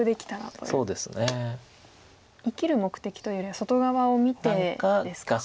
生きる目的というよりは外側を見てですか。